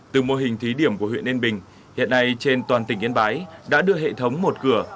từ mô hình thí điểm của huyện yên bình hiện nay trên toàn tỉnh yên bái đã đưa hệ thống một cửa